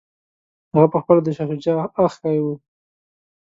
هغه پخپله د شاه شجاع اخښی وو.